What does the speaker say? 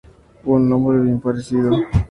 Un hombre bien parecido".